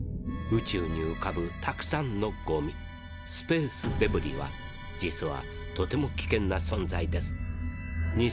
宇宙に浮かぶたくさんのゴミスペースデブリは実はとても危険な存在です。